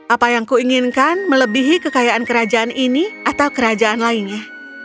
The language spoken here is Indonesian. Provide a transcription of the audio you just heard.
apa yang kuinginkan melebihi kekayaan kerajaan ini atau kerajaan lainnya